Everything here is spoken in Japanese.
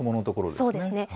そうですね。